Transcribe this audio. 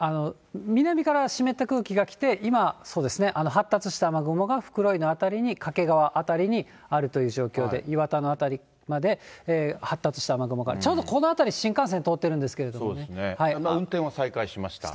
南から湿った空気が来て、今、発達した雨雲が袋井の辺りに、掛川辺りにあるという状況で、磐田の辺りまで発達した雨雲が、ちょうどこの辺り、新幹線通って運転は再開しました。